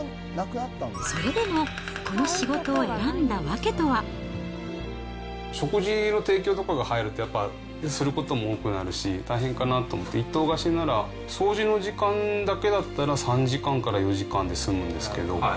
それでも、食事の提供とかが入ると、やっぱすることも多くなるし、大変かなと思って、一棟貸しなら、掃除の時間だけだったら３時間から４時間で済むんですけど。